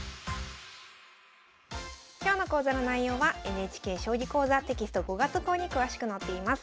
今日の講座の内容はＮＨＫ「将棋講座」テキスト５月号に詳しく載っています。